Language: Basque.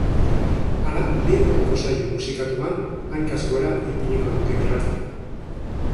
Hala, bi orduko saio musikatuan, hankaz gora ipiniko dute irratia.